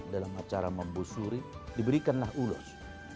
dalam acara membusuri diberikanlah ulos